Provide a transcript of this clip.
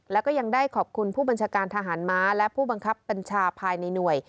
แล้วก็ยังได้ขอบคุณผู้บัญชาการทหารม้าและผู้บังคับบัญชาภายในหน่วย